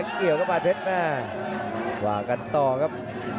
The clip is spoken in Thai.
เกี่ยวกับวันเด็ดนะว่ากันต่อครับ